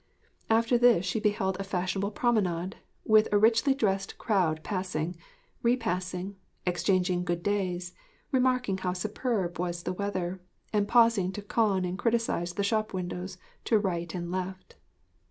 After this she beheld a fashionable promenade, with a richly dressed crowd passing, re passing, exchanging good days, remarking how superb was the weather, and pausing to con and criticise the shop windows to right and left.